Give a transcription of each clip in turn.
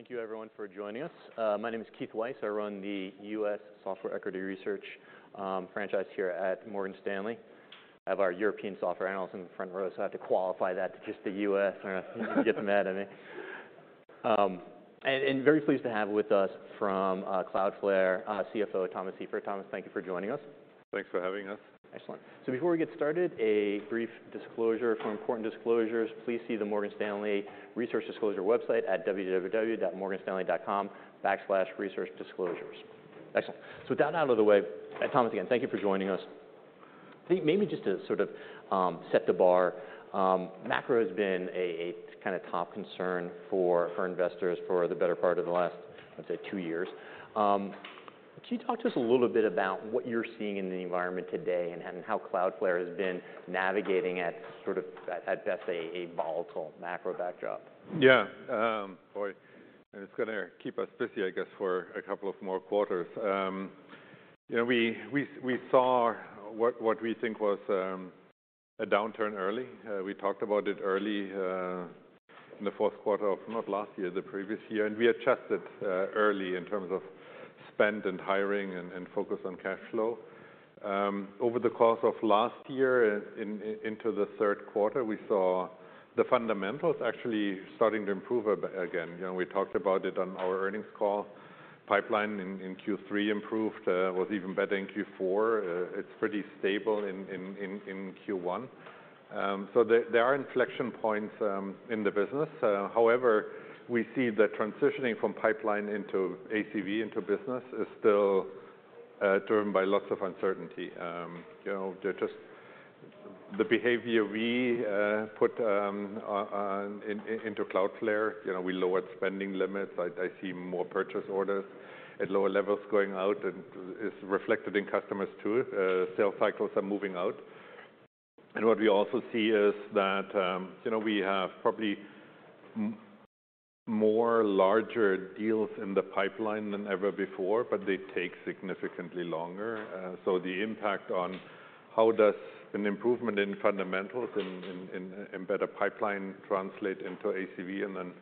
Excellent. Thank you everyone for joining us. My name is Keith Weiss. I run the U.S. Software Equity Research franchise here at Morgan Stanley. Have our European software analysts in the front row, so I have to qualify that to just the U.S. or I'll get them mad at me. Very pleased to have with us from Cloudflare, CFO Thomas Seifert. Thomas, thank you for joining us. Thanks for having us. Excellent. Before we get started, a brief disclosure. For important disclosures, please see the Morgan Stanley Resource Disclosure website at www.morganstanley.com/resourcedisclosures. Excellent. With that out of the way, Thomas, again, thank you for joining us. I think maybe just to sort of set the bar, macro has been a kind of top concern for investors for the better part of the last, let's say, two years. Could you talk to us a little bit about what you're seeing in the environment today and how Cloudflare has been navigating it, sort of at best a volatile macro backdrop? Yeah. Boy, it's gonna keep us busy, I guess, for a couple of more quarters. You know, we saw what we think was a downturn early. We talked about it early, in the Q4 of not last year, the previous year, and we adjusted early in terms of spend and hiring and focus on cash flow. Over the course of last year and into the Q3, we saw the fundamentals actually starting to improve again. You know, we talked about it on our earnings call. Pipeline in Q3 improved, was even better in Q4. It's pretty stable in Q1. There are inflection points in the business. However, we see that transitioning from pipeline into ACV into business is still driven by lots of uncertainty. You know, the behavior we put into Cloudflare, you know, we lowered spending limits. I see more purchase orders at lower levels going out and it's reflected in customers too. Sales cycles are moving out. What we also see is that, you know, we have probably more larger deals in the pipeline than ever before, but they take significantly longer. The impact on how does an improvement in fundamentals in better pipeline translate into ACV and then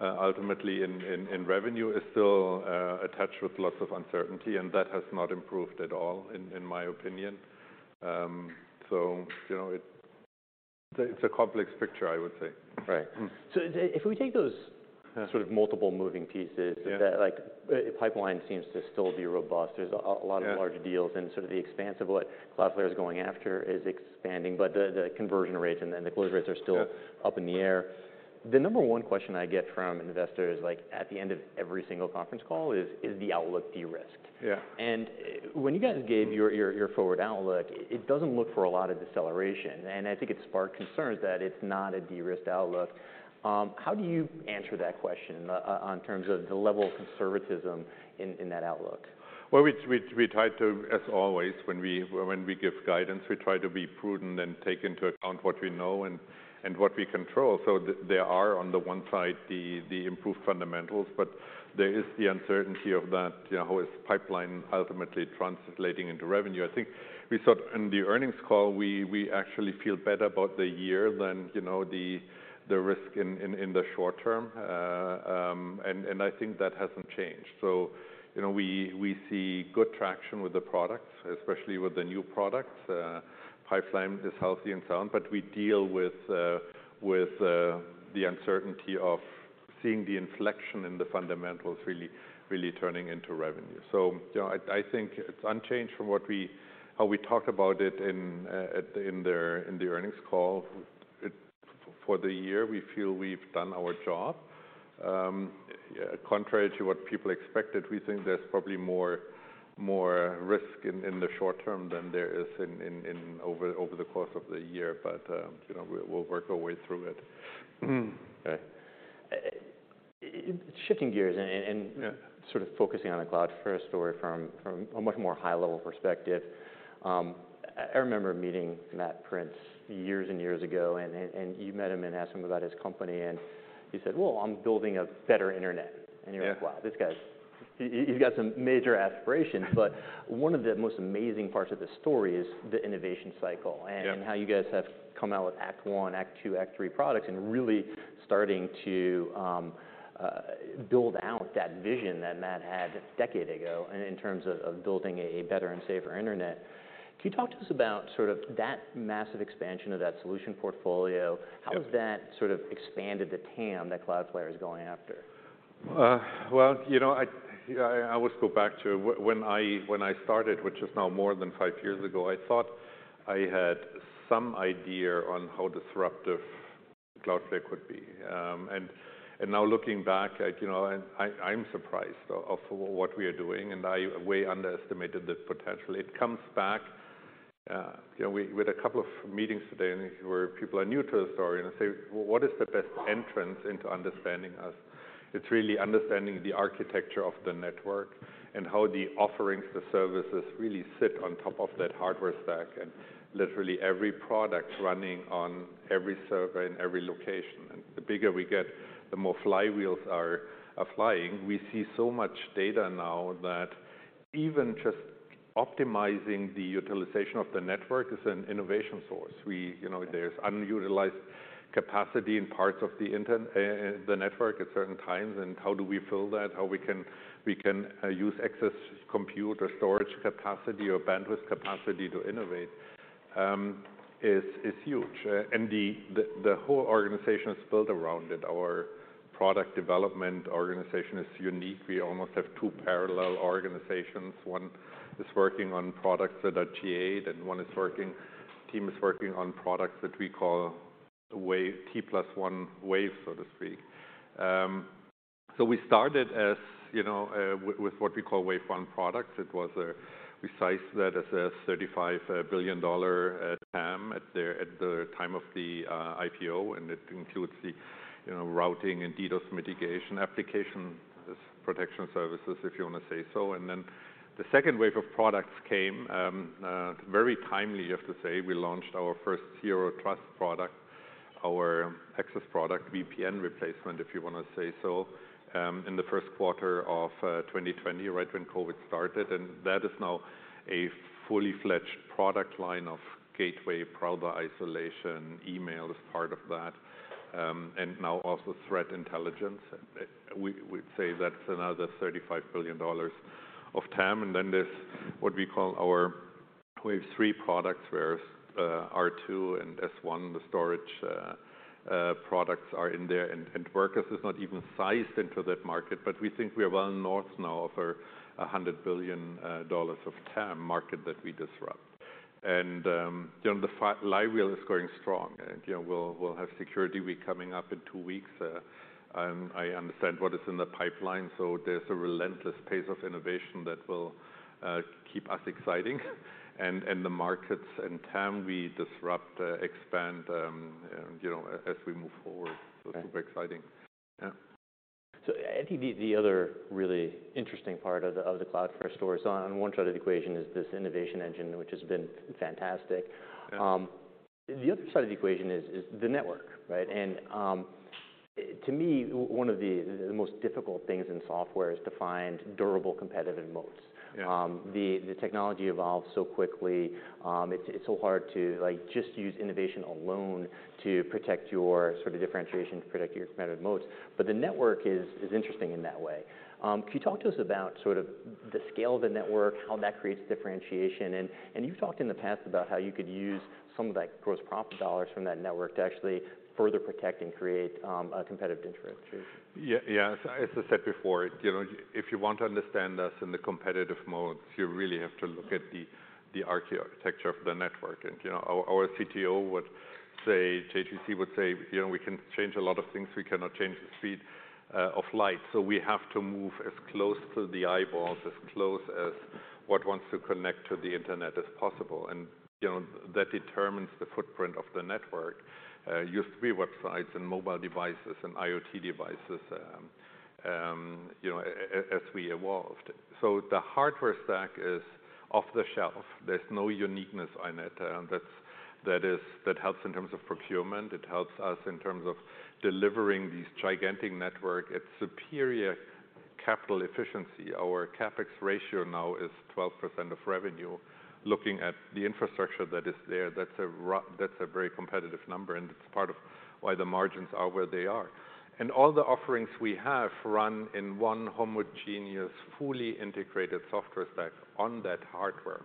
ultimately in revenue is still attached with lots of uncertainty, and that has not improved at all, in my opinion. You know, it's a complex picture, I would say. Right. If we take. Sort of multiple moving pieces. That, like, pipeline seems to still be robust. There's a lot of. Larger deals and sort of the expanse of what Cloudflare is going after is expanding, but the conversion rates and then the close rates are still. Up in the air. The number one question I get from investors, like at the end of every single conference call, is, "Is the outlook de-risked? When you guys gave your forward outlook, it doesn't look for a lot of deceleration, and I think it sparked concerns that it's not a de-risked outlook. How do you answer that question on terms of the level of conservatism in that outlook? Well, we try to, as always, when we give guidance, we try to be prudent and take into account what we know and what we control. There are, on the one side, the improved fundamentals, but there is the uncertainty of that, you know, how is pipeline ultimately translating into revenue. I think we saw in the earnings call, we actually feel better about the year than, you know, the risk in the short term. And I think that hasn't changed. You know, we see good traction with the products, especially with the new products. Pipeline is healthy and sound, but we deal with the uncertainty of seeing the inflection in the fundamentals really turning into revenue. You know, I think it's unchanged from what we. How we talked about it in the earnings call. For the year, we feel we've done our job. Contrary to what people expected, we think there's probably more risk in the short term than there is in over the course of the year. You know, we'll work our way through it. Okay. shifting gears. Yeah Sort of focusing on the Cloudflare story from a much more high level perspective, I remember meeting Matthew Prince years and years ago, and you met him and asked him about his company, and he said, "Well, I'm building a better internet. Yeah. You're like: Wow, this guy, he's got some major aspirations. One of the most amazing parts of the story is the innovation cycle and how you guys have come out with act one, act two, act three products and really starting to build out that vision that Matt had a decade ago in terms of building a better and safer internet. Can you talk to us about sort of that massive expansion of that solution portfolio? Yeah. How has that sort of expanded the TAM that Cloudflare is going after? Well, you know, I always go back to when I started, which is now more than five years ago, I thought I had some idea on how disruptive Cloudflare could be. Now looking back, like, you know, I'm surprised of what we are doing, and I way underestimated the potential. It comes back, you know, with a couple of meetings today where people are new to the story and they say, "Well, what is the best entrance into understanding us?" It's really understanding the architecture of the network and how the offerings, the services really sit on top of that hardware stack, and literally every product running on every server in every location. The bigger we get, the more flywheels are flying. We see so much data now that. Even just optimizing the utilization of the network is an innovation source. We, you know, there's unutilized capacity in parts of the network at certain times, and how do we fill that? How we can use excess compute or storage capacity or bandwidth capacity to innovate is huge. The whole organization is built around it. Our product development organization is unique. We almost have two parallel organizations. One is working on products that are GA'd, and one team is working on products that we call wave T plus one wave, so to speak. We started as, you know, with what we call wave one products. It was, we sized that as a $35 billion TAM at the time of the IPO, and it includes the, you know, routing and DDoS mitigation application, this protection services, if you want to say so. The second wave of products came, very timely, I have to say. We launched our first Zero Trust product, our access product, VPN replacement, if you want to say so, in the Q1 of 2020, right when COVID started. That is now a fully-fledged product line of Gateway, Browser Isolation, email is part of that, and now also threat intelligence. We'd say that's another $35 billion of TAM. There's what we call our wave three products, where R2 and D1, the storage, products are in there. Workers is not even sized into that market, we think we are well north now of $100 billion of TAM market that we disrupt. you know, the flywheel is going strong. you know, we'll have Security Week coming up in two weeks. I understand what is in the pipeline, there's a relentless pace of innovation that will keep us exciting. the markets and TAM we disrupt expand, you know, as we move forward. Super exciting. Yeah. I think the other really interesting part of the Cloudflare story is on one side of the equation is this innovation engine, which has been fantastic. Yeah. The other side of the equation is the network, right? To me, one of the most difficult things in software is to find durable competitive moats. Yeah. The technology evolves so quickly. It's so hard to, like, just use innovation alone to protect your sort of differentiation, to protect your competitive moats. The network is interesting in that way. Could you talk to us about sort of the scale of the network, how that creates differentiation? You've talked in the past about how you could use some of that gross profit dollars from that network to actually further protect and create, a competitive interest. Yeah. Yeah. As I said before, you know, if you want to understand us in the competitive moats, you really have to look at the architecture of the network. You know, our CTO would say, JGC would say, "You know, we can change a lot of things. We cannot change the speed of light." We have to move as close to the eyeballs, as close as what wants to connect to the internet as possible. You know, that determines the footprint of the network. It used to be websites and mobile devices and IoT devices, you know, as we evolved. The hardware stack is off the shelf. There's no uniqueness on it, and that helps in terms of procurement. It helps us in terms of delivering these gigantic network at superior capital efficiency. Our CapEx ratio now is 12% of revenue. Looking at the infrastructure that is there, that's a very competitive number, and it's part of why the margins are where they are. All the offerings we have run in one homogeneous, fully integrated software stack on that hardware.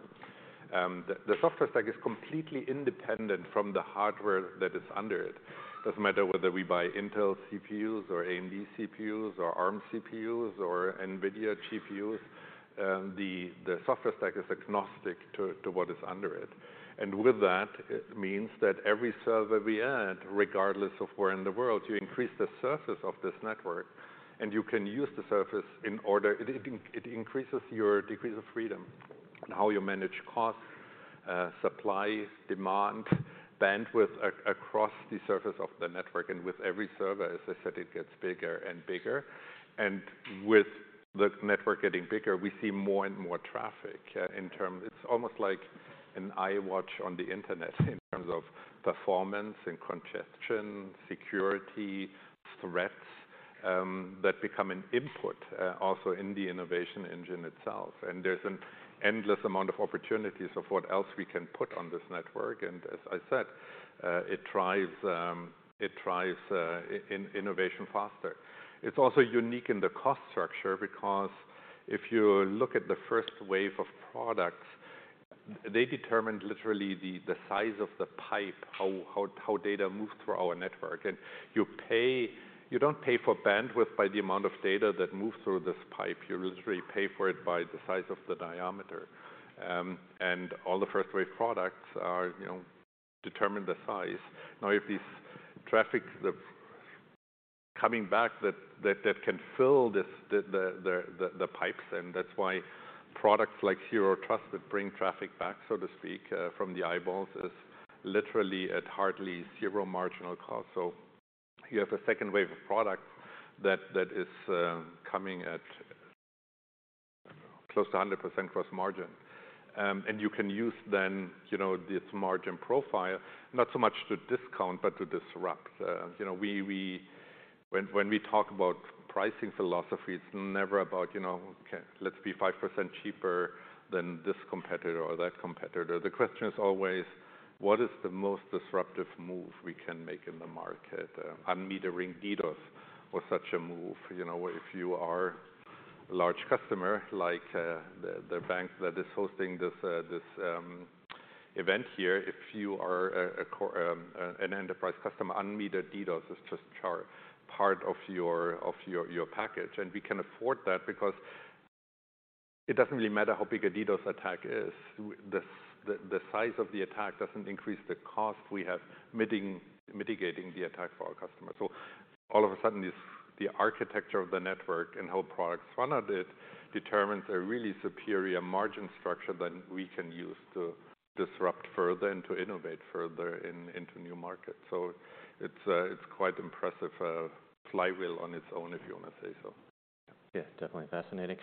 The software stack is completely independent from the hardware that is under it. Doesn't matter whether we buy Intel CPUs or AMD CPUs or Arm CPUs or NVIDIA GPUs. The software stack is agnostic to what is under it. With that, it means that every server we add, regardless of where in the world, you increase the surface of this network, and you can use the surface. It increases your degrees of freedom in how you manage costs, supply, demand, bandwidth across the surface of the network. With every server, as I said, it gets bigger and bigger. With the network getting bigger, we see more and more traffic. It's almost like an Apple Watch on the internet in terms of performance and congestion, security, threats, that become an input also in the innovation engine itself. There's an endless amount of opportunities of what else we can put on this network. As I said, it drives innovation faster. It's also unique in the cost structure because if you look at the first wave of products, they determined literally the size of the pipe, how data moves through our network. You don't pay for bandwidth by the amount of data that moves through this pipe. You literally pay for it by the size of the diameter. All the first wave products are, you know, determine the size. Now, if these traffic, the coming back that, that can fill this, the pipes, and that's why products like Zero Trust that bring traffic back, so to speak, from the eyeballs is literally at hardly zero marginal cost. You have a second wave of products that is coming at close to 100% gross margin. You can use then, you know, this margin profile, not so much to discount, but to disrupt. You know, when we talk about pricing philosophy, it's never about, you know, okay, let's be 5% cheaper than this competitor or that competitor. The question is always, what is the most disruptive move we can make in the market? Unmitering DDoS was such a move. You know, if you are a large customer, like, the bank that is hosting this event here. If you are an enterprise customer, unmetered DDoS is just part of your package. We can afford that because it doesn't really matter how big a DDoS attack is. The size of the attack doesn't increase the cost we have mitigating the attack for our customers. All of a sudden, this, the architecture of the network and how products funded it determines a really superior margin structure that we can use to disrupt further and to innovate further into new markets. It's quite impressive flywheel on its own, if you wanna say so. Yeah. Definitely fascinating.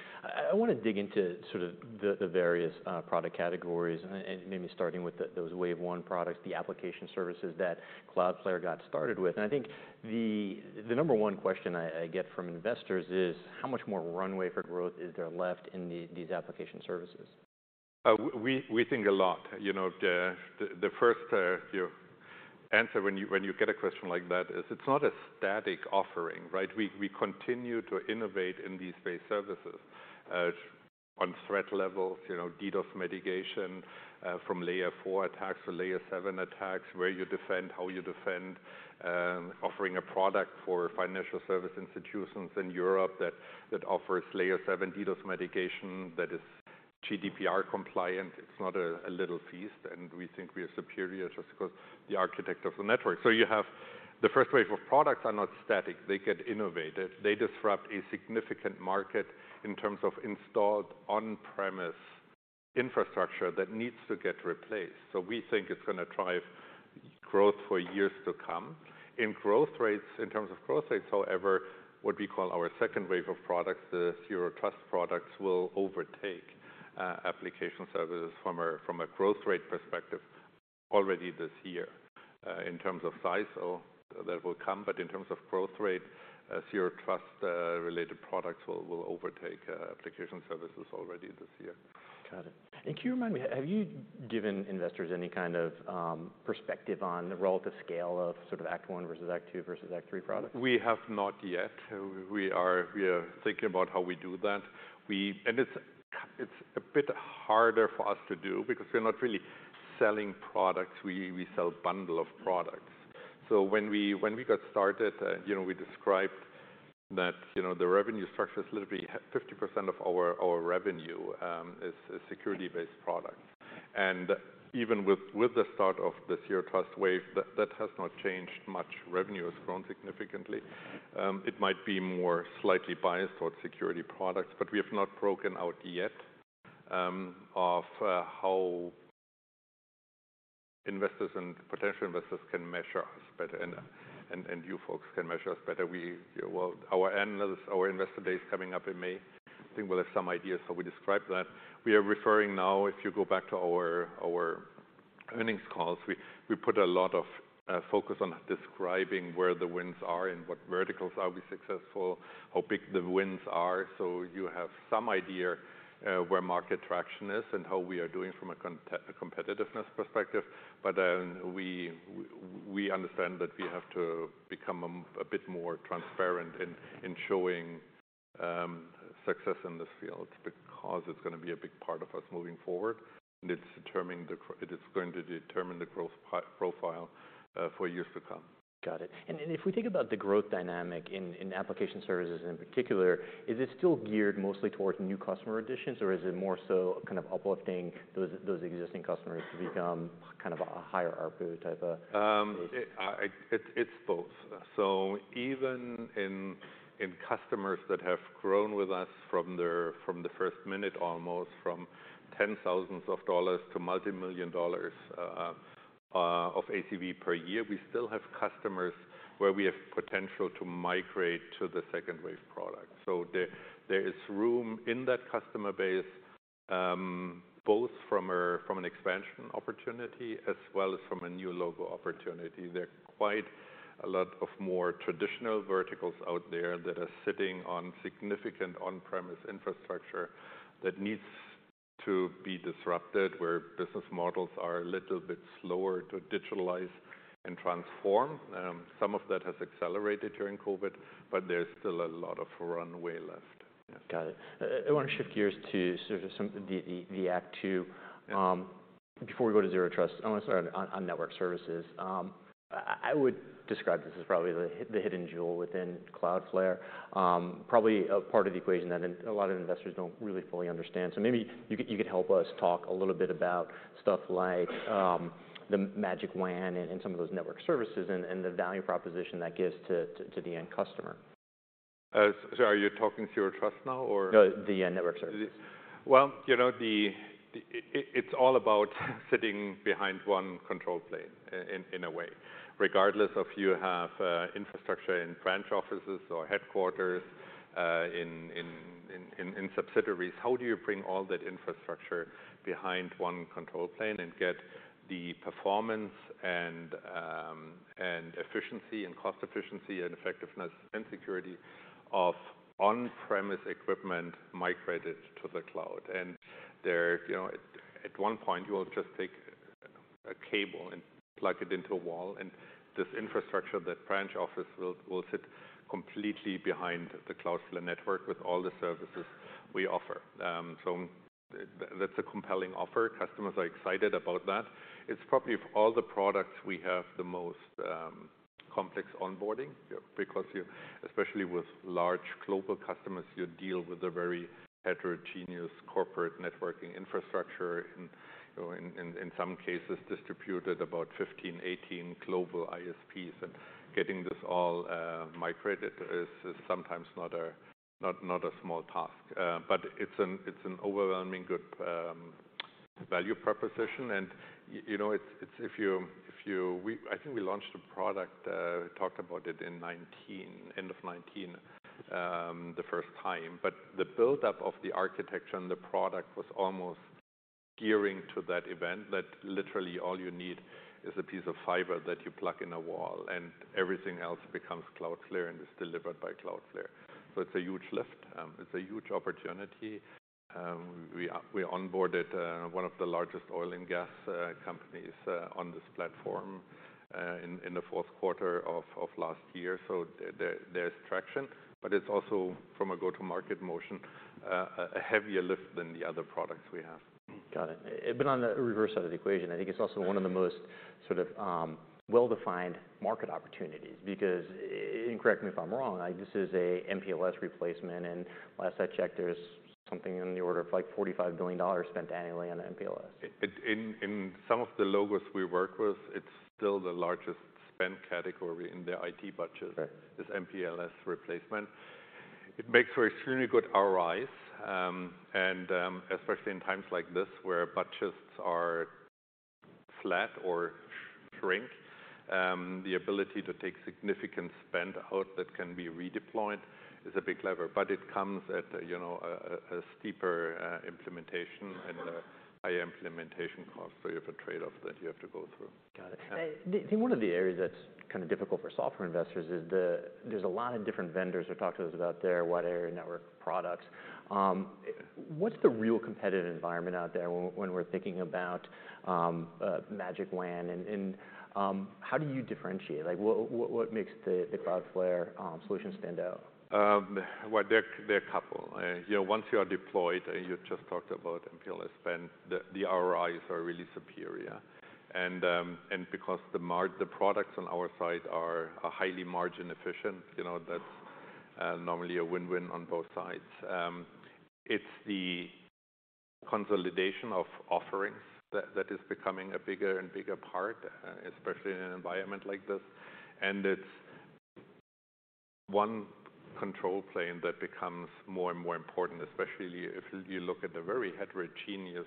I wanna dig into sort of the various product categories and maybe starting with those wave one products, the application services that Cloudflare got started with. I think the number one question I get from investors is how much more runway for growth is there left in these application services? We think a lot, you know. The first, you know, answer when you get a question like that is it's not a static offering, right? We continue to innovate in these base services on threat levels, you know, DDoS mitigation from Layer four attacks to Layer seven attacks, where you defend, how you defend. Offering a product for financial service institutions in Europe that offers Layer seven DDoS mitigation that is GDPR compliant. It's not a little feast, and we think we are superior just because the architect of the network. You have the first wave of products are not static. They get innovated. They disrupt a significant market in terms of installed on-premise infrastructure that needs to get replaced. We think it's gonna drive growth for years to come. In terms of growth rates, however, what we call our second wave of products, the Zero Trust products, will overtake application services from a growth rate perspective already this year. In terms of size, that will come, but in terms of growth rate, Zero Trust related products will overtake application services already this year. Got it. Can you, have you given investors any kind of, perspective on the relative scale of sort of Act One versus Act Two versus Act Three products? We have not yet. We are thinking about how we do that. And it's a bit harder for us to do because we're not really selling products. We sell bundle of products. When we got started, you know, we described that, you know, the revenue structure is literally 50% of our revenue, is security-based product. Even with the start of the Zero Trust wave, that has not changed much. Revenue has grown significantly. It might be more slightly biased towards security products, but we have not broken out yet, of how investors and potential investors can measure us better and you folks can measure us better. Well, our analyst, our investor day is coming up in May. I think we'll have some ideas how we describe that. We are referring now, if you go back to our earnings calls, we put a lot of focus on describing where the wins are and what verticals are we successful, how big the wins are. You have some idea where market traction is and how we are doing from a competitiveness perspective. We understand that we have to become a bit more transparent in showing success in this field because it's going to be a big part of us moving forward, and it is going to determine the growth profile for years to come. Got it. If we think about the growth dynamic in application services in particular, is it still geared mostly towards new customer additions, or is it more so kind of uplifting those existing customers to become kind of a higher ARPU type of- It's both. Even in customers that have grown with us from the first minute, almost from $10,000s to multi-million dollars of ACV per year. We still have customers where we have potential to migrate to the second wave product. There is room in that customer base, both from an expansion opportunity as well as from a new logo opportunity. There are quite a lot of more traditional verticals out there that are sitting on significant on-premise infrastructure that needs to be disrupted, where business models are a little bit slower to digitalize and transform. Some of that has accelerated during COVID, but there's still a lot of runway left. Got it. I wanna shift gears to sort of some the act two. Before we go to Zero Trust, I wanna start on network services. I would describe this as probably the hidden jewel within Cloudflare. Probably a part of the equation that a lot of investors don't really fully understand. Maybe you could help us talk a little bit about stuff like, the Magic WAN and some of those network services and the value proposition that gives to the end customer? Are you talking Zero Trust now or? No, the network services. Well, you know, it's all about sitting behind one control plane in a way. Regardless if you have infrastructure in branch offices or headquarters, in subsidiaries, how do you bring all that infrastructure behind one control plane and get the performance. Efficiency and cost efficiency and effectiveness and security of on-premise equipment migrated to the cloud. There, you know, at one point you will just take a cable and plug it into a wall, and this infrastructure, that branch office will sit completely behind the Cloudflare network with all the services we offer. That's a compelling offer. Customers are excited about that. It's probably of all the products we have the most complex onboarding because you. Especially with large global customers, you deal with a very heterogeneous corporate networking infrastructure in, you know, in some cases distributed about 15, 18 global ISPs, and getting this all migrated is sometimes not a small task. It's an overwhelming good value proposition. You know, it's if you. I think we launched a product, talked about it in 2019, end of 2019, the first time. The buildup of the architecture and the product was almost gearing to that event that literally all you need is a piece of fiber that you plug in a wall and everything else becomes Cloudflare and is delivered by Cloudflare. It's a huge lift. It's a huge opportunity. We onboarded one of the largest oil and gas companies on this platform in the Q4 of last year. There's traction, but it's also from a go-to-market motion, a heavier lift than the other products we have. Got it. On the reverse side of the equation, I think it's also one of the most sort of, well-defined market opportunities because and correct me if I'm wrong, like this is a MPLS replacement, and last I checked, there's something in the order of like $45 billion spent annually on MPLS. In some of the logos we work with, it's still the largest spend category in the IT budget. Is MPLS replacement. It makes for extremely good ROIs, and, especially in times like this where budgets are flat or shrink, the ability to take significant spend out that can be redeployed is a big lever. It comes at a, you know, a, a steeper implementation and a high implementation cost. You have a trade-off that you have to go through. Got it. I think one of the areas that's kind of difficult for software investors is there's a lot of different vendors who talk to us about their wide area network products. What's the real competitive environment out there when we're thinking about Magic WAN and how do you differentiate? Like what makes the Cloudflare solution stand out? Well, there are a couple. you know, once you are deployed, you just talked about MPLS spend, the ROIs are really superior. Because the products on our side are highly margin efficient, you know, that's normally a win-win on both sides. It's the consolidation of offerings that is becoming a bigger and bigger part, especially in an environment like this. It's one control plane that becomes more and more important, especially if you look at the very heterogeneous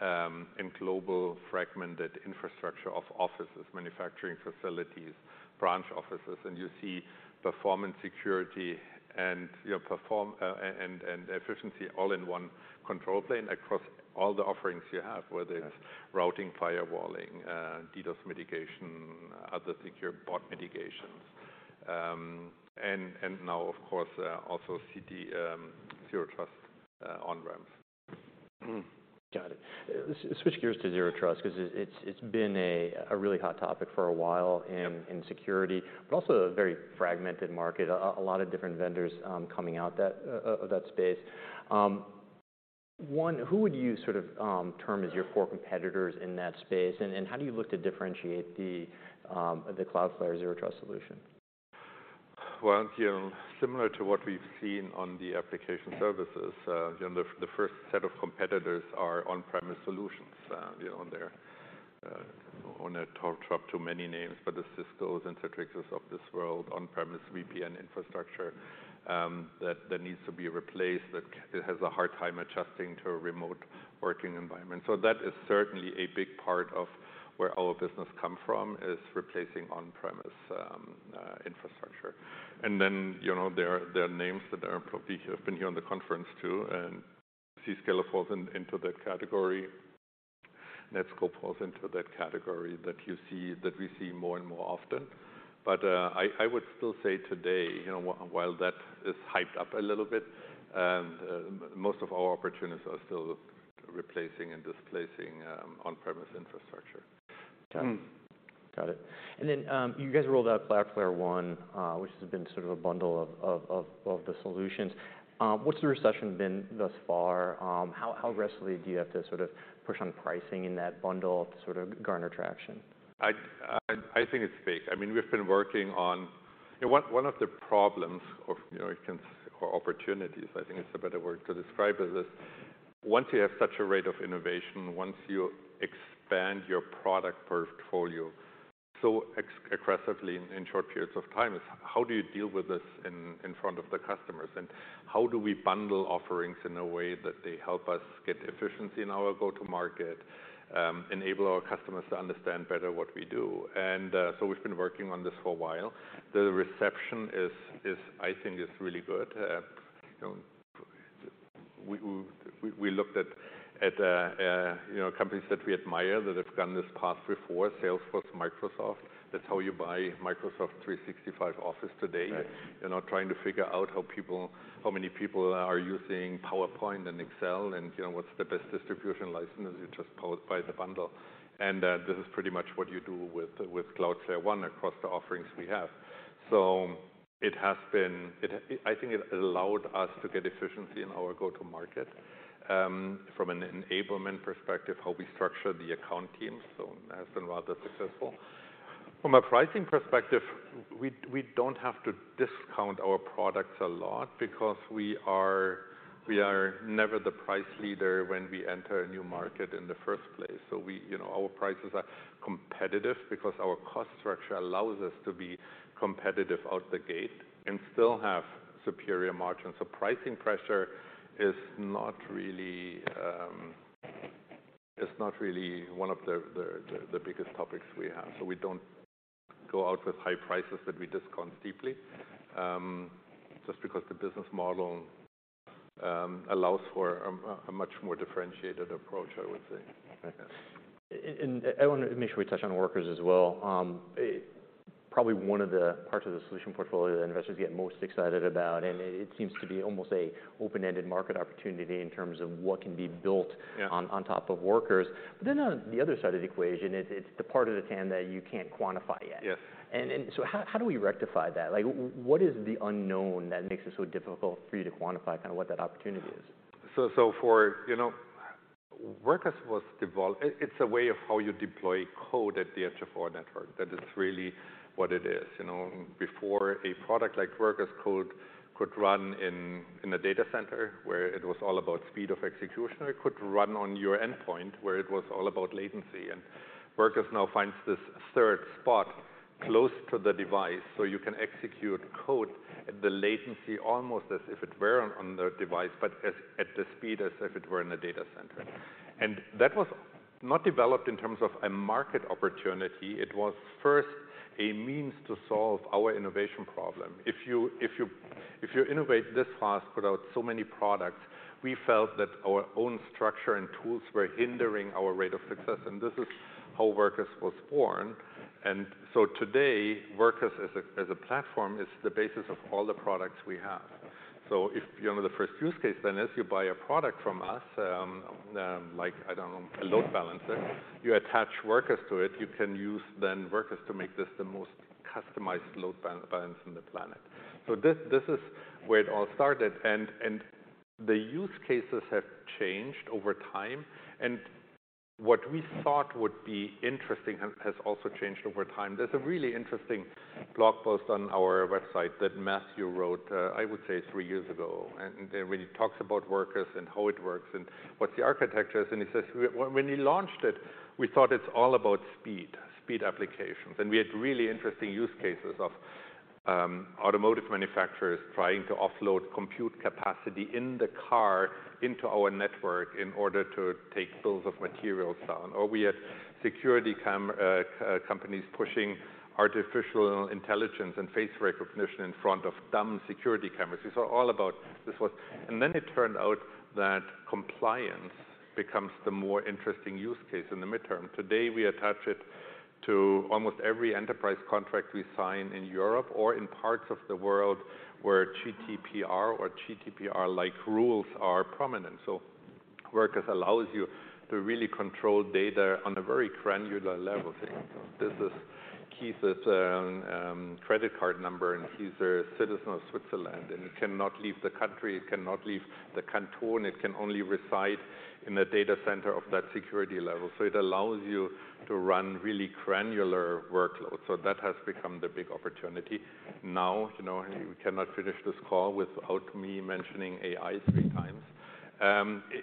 and global fragmented infrastructure of offices, manufacturing facilities, branch offices, and you see performance security and, you know, and efficiency all in one control plane across all the offerings you have. Yes Whether it's routing, firewalling, DDoS mitigation, other secure bot mitigations, and now of course, also Zero Trust, on-ramps. Got it. Let's switch gears to Zero Trust because it's been a really hot topic for a while in security, but also a very fragmented market. A lot of different vendors coming out of that space. One, who would you sort of term as your core competitors in that space, and how do you look to differentiate the Cloudflare Zero Trust solution? Well, you know, similar to what we've seen on the application services. You know, the first set of competitors are on-premise solutions. You know, they're, I don't want to talk to too many names, but the Ciscos and the Citrixes of this world, on-premise VPN infrastructure, that needs to be replaced, that it has a hard time adjusting to a remote working environment. That is certainly a big part of where our business come from is replacing on-premise infrastructure. Then, you know, there are names that are probably have been here on the conference too, and Zscaler falls into that category. Netskope falls into that category that you see, that we see more and more often. I would still say today, you know, while that is hyped up a little bit, most of our opportunities are still replacing and displacing on-premise infrastructure. Got it. Then, you guys rolled out Cloudflare One, which has been sort of a bundle of the solutions. What's the reception been thus far? How aggressively do you have to sort of push on pricing in that bundle to sort of garner traction? I think it's big. I mean, we've been working on. You know, one of the problems of, you know, or opportunities, I think is a better word to describe it, is once you have such a rate of innovation, once you expand your product portfolio so aggressively in short periods of time, is how do you deal with this in front of the customers? How do we bundle offerings in a way that they help us get efficiency in our go-to-market, enable our customers to understand better what we do? We've been working on this for a while. The reception is I think is really good. We looked at companies that we admire that have gone this path before, Salesforce, Microsoft. That's how you buy Microsoft 365 Office today. Right. You're not trying to figure out how many people are using PowerPoint and Excel and, you know, what's the best distribution license. You just buy the bundle. This is pretty much what you do with Cloudflare One across the offerings we have. I think it allowed us to get efficiency in our go-to market, from an enablement perspective, how we structure the account teams. It has been rather successful. From a pricing perspective, we don't have to discount our products a lot because we are never the price leader when we enter a new market in the first place. You know, our prices are competitive because our cost structure allows us to be competitive out the gate and still have superior margins. Pricing pressure is not really, is not really one of the biggest topics we have. We don't go out with high prices that we discount deeply, just because the business model allows for a much more differentiated approach, I would say. I want to make sure we touch on Workers as well. Probably one of the parts of the solution portfolio that investors get most excited about, and it seems to be almost an open-ended market opportunity in terms of what can be built. Yeah. On top of Workers. on the other side of the equation, it's the part of the TAM that you can't quantify yet. Yes. How do we rectify that? Like, what is the unknown that makes it so difficult for you to quantify kind of what that opportunity is? So for, you know, It's a way of how you deploy code at the edge of our network. That is really what it is. You know, before a product like Workers code could run in a data center where it was all about speed of execution, or it could run on your endpoint, where it was all about latency. Workers now finds this third spot close to the device, so you can execute code at the latency almost as if it were on the device, but at the speed as if it were in a data center. That was not developed in terms of a market opportunity. It was first a means to solve our innovation problem. If you innovate this fast, put out so many products, we felt that our own structure and tools were hindering our rate of success. This is how Workers was born. Today, Workers as a platform is the basis of all the products we have. If, you know, the first use case then is you buy a product from us, like, I don't know, a Load Balancer. You attach Workers to it, you can use then Workers to make this the most customized load balance on the planet. This is where it all started. The use cases have changed over time, and what we thought would be interesting has also changed over time. There's a really interesting blog post on our website that Matthew wrote, I would say three years ago. It really talks about Workers and how it works and what the architecture is. He says when he launched it, we thought it's all about speed applications. We had really interesting use cases of automotive manufacturers trying to offload compute capacity in the car into our network in order to take bills of materials down. We had security companies pushing artificial intelligence and face recognition in front of dumb security cameras. These are all about. It turned out that compliance becomes the more interesting use case in the midterm. Today, we attach it to almost every enterprise contract we sign in Europe or in parts of the world where GDPR or GDPR-like rules are prominent. Workers allows you to really control data on a very granular level. This is Keith's credit card number, and he's a citizen of Switzerland, and it cannot leave the country, it cannot leave the canton, it can only reside in the data center of that security level. It allows you to run really granular workloads. That has become the big opportunity. Now, you know, we cannot finish this call without me mentioning AI three times.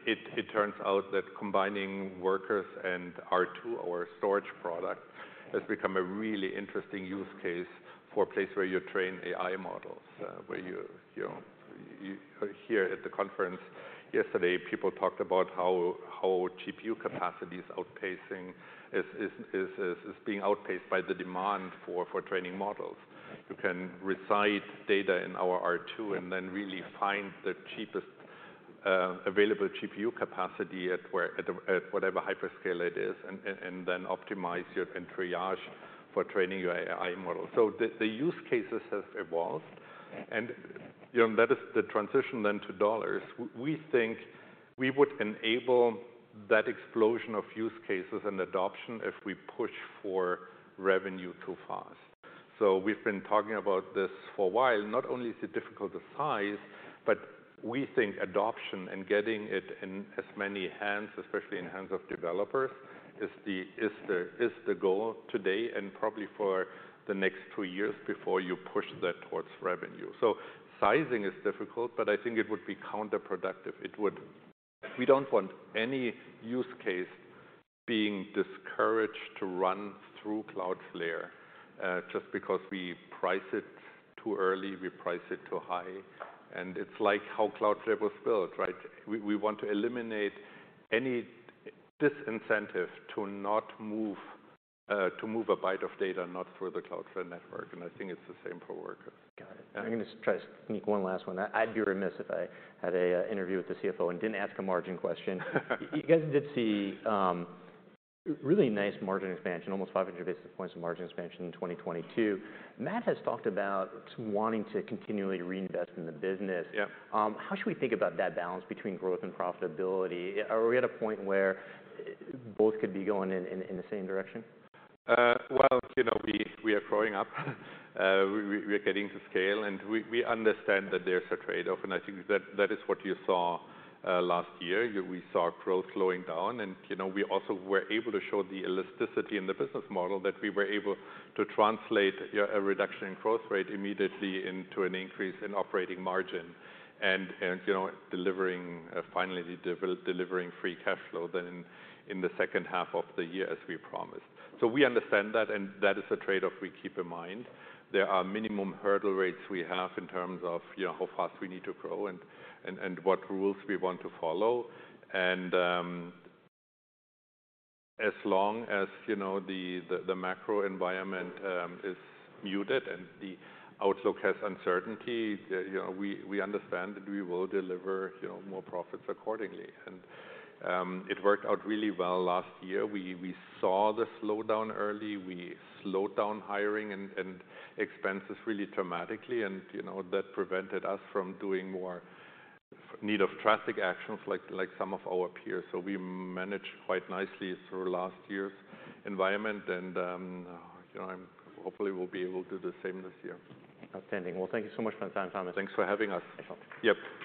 It turns out that combining Workers and R2, our storage product, has become a really interesting use case for a place where you train AI models, where you know. Here at the conference yesterday, people talked about how GPU capacity is being outpaced by the demand for training models. You can reside data in our R2 and then really find the cheapest available GPU capacity at whatever hyperscale it is, and then optimize your and triage for training your AI model. The use cases have evolved, and that is the transition then to dollars. We think we would enable that explosion of use cases and adoption if we push for revenue too fast. We've been talking about this for a while. Not only is it difficult to size, but we think adoption and getting it in as many hands, especially in hands of developers, is the goal today and probably for the next two years before you push that towards revenue. Sizing is difficult, but I think it would be counterproductive. We don't want any use case being discouraged to run through Cloudflare, just because we price it too early, we price it too high. It's like how Cloudflare was built, right? We, we want to eliminate any disincentive to move a byte of data not through the Cloudflare network. I think it's the same for Workers. Got it. I'm gonna try to sneak one last one. I'd be remiss if I had a interview with the CFO and didn't ask a margin question. You guys did see really nice margin expansion, almost 500 basis points of margin expansion in 2022. Matt has talked about wanting to continually reinvest in the business. Yeah. How should we think about that balance between growth and profitability? Are we at a point where both could be going in the same direction? Well, you know, we are growing up. We are getting to scale, and we understand that there's a trade-off, and I think that is what you saw, last year. We saw growth slowing down, and, you know, we also were able to show the elasticity in the business model that we were able to translate a reduction in growth rate immediately into an increase in operating margin and, you know, delivering, finally delivering free cash flow then in the second half of the year as we promised. We understand that, and that is a trade-off we keep in mind. There are minimum hurdle rates we have in terms of, you know, how fast we need to grow and what rules we want to follow. As long as, you know, the macro environment is muted and the outlook has uncertainty, you know, we understand that we will deliver, you know, more profits accordingly. It worked out really well last year. We saw the slowdown early. We slowed down hiring and expenses really dramatically. That prevented us from doing more need of drastic actions like some of our peers. We managed quite nicely through last year's environment, you know, hopefully we'll be able to do the same this year. Outstanding. Well, thank you so much for the time, Thomas. Thanks for having us. My pleasure. Yep.